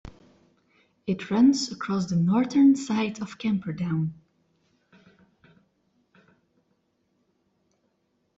It runs across the northern side of Camperdown.